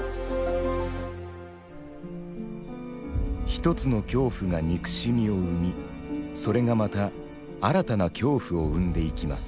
一つの恐怖が憎しみを生みそれがまた新たな恐怖を生んでいきます。